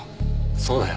そうだよ。